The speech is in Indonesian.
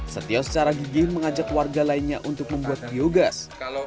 setio secara gigih mengajak warga lainnya untuk membuat biogas